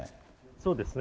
そうですね。